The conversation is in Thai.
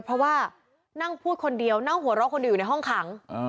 เพราะว่านั่งพูดคนเดียวนั่งหัวเราะคนเดียวอยู่ในห้องขัง